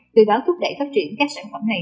tuy báo thúc đẩy phát triển các sản phẩm này